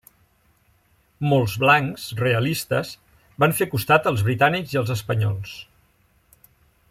Molts blancs, realistes, van fer costat als britànics i els espanyols.